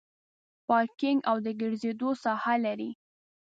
پارکینګ او د ګرځېدو ساحه لري.